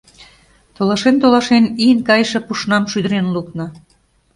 Толашен-толашен, ийын кайыше пушнам шӱдырен лукна.